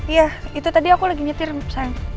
iya itu tadi aku lagi nyetir saya